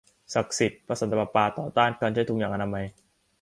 ศักดิ์สิทธิ์ ! พระสันตะปาปาต่อต้านการใช้ถุงยางอนามัย